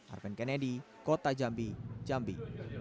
arben kennedy kota jambi jambi